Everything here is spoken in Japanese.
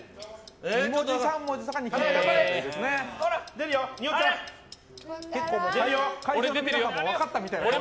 ２文字３文字とかに切るといいですね。